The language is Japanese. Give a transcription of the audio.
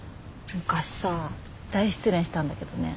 昔さ大失恋したんだけどね